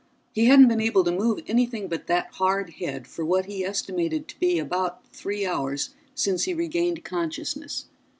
He hadn't been able to move anything but that hard head for what he estimated to be about three hours since he regained consciousness.